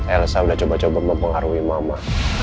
elsa sudah coba coba mempengaruhi mama